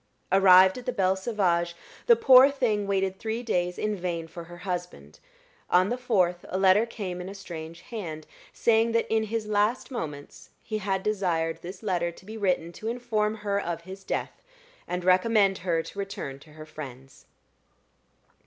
Arrived at the Belle Sauvage, the poor thing waited three days in vain for her husband: on the fourth a letter came in a strange hand, saying that in his last moments he had desired this letter to be written to inform her of his death, and recommend her to return to her friends.